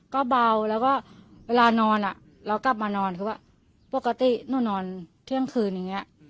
ก็เบาแล้วก็เวลานอนเรากลับมานอนคือว่าปกติหนูนอนเที่ยงคืนอย่างนี้